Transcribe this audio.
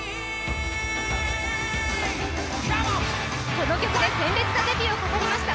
この曲で鮮烈なデビューを飾りました。